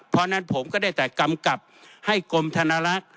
เพราะฉะนั้นผมก็ได้แต่กำกับให้กรมธนลักษณ์